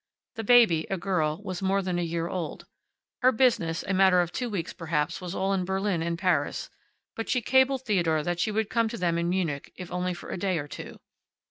The baby, a girl, was more than a year old. Her business, a matter of two weeks, perhaps, was all in Berlin and Paris, but she cabled Theodore that she would come to them in Munich, if only for a day or two.